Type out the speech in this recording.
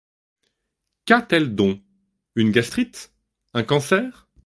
Qu’a-t-elle donc, une gastrite, un cancer ?